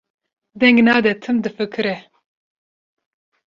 deng nade, tim difikire.